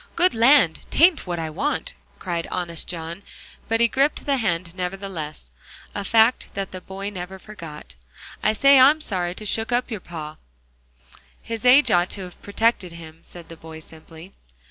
"Good land! Tain't what I want," cried honest John, but he gripped the hand nevertheless, a fact that the boy never forgot; "I say I'm sorry I shook up your pa." "His age ought to have protected him," said the boy simply.